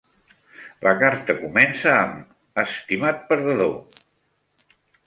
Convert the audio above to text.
La carta comença amb "Estimat perdedor".